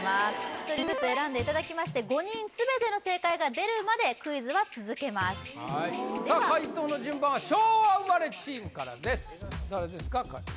１人ずつ選んでいただきまして５人すべての正解が出るまでクイズは続けますさあ解答の順番は昭和生まれチームからです誰ですか？